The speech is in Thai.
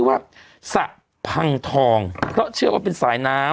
สวัสดีครับคุณผู้ชม